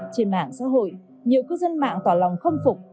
trên mạng xã hội nhiều cư dân mạng tỏ lòng khâm phục